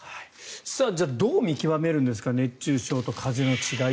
じゃあ、どう見極めるんですか熱中症と風邪の違い。